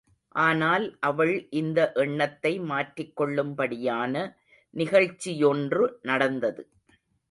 ஆனால் அவள் இந்த எண்ணத்தை மாற்றிக் கொள்ளும்படியான நிகழ்ச்சியொன்று நடந்தது.